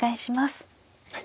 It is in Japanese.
はい。